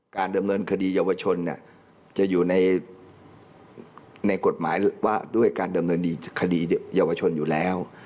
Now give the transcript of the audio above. การดำเนินคดีเยาวชนจะอยู่ในกฎหมายว่าด้วยการดำเนินคดีคดีเยาวชนอยู่แล้ว